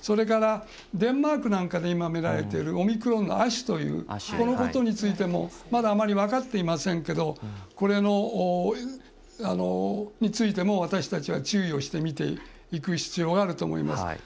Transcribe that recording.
それから、デンマークなんかで今、みられているオミクロン株の亜種というこのことについてもまだあまり分かっていませんけどこれについても私たちは注意をして見ていく必要があると思います。